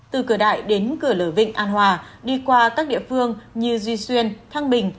từ cửa đại đến cửa lở vịnh an hòa đi qua các địa phương như duy xuyên thăng bình